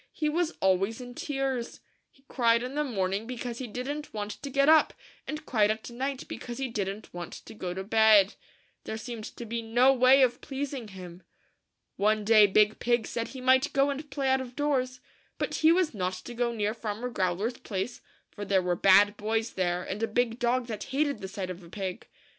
He was always in tears. He cried in the morning because he didn't want to get up ; and cried at night because he didn't want to go to bed. There seemed to be no way of pleasing him. One day Big Pig said he might go and play out of doors ; but he was not to go near Farmer Growler's place, for there were bad boys there, and a big dog that hated the sight of a pig.